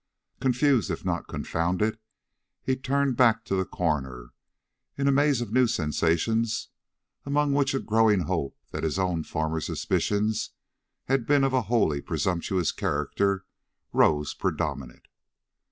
Confused if not confounded, he turned back to the coroner, in a maze of new sensations, among which a growing hope that his own former suspicions had been of a wholly presumptuous character, rose predominant.